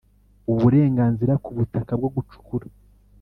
Uburenganzira ku butaka bwo gucukura